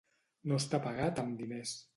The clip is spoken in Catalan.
No estar pagat amb diners.